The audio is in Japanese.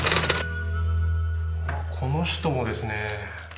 この人もですね。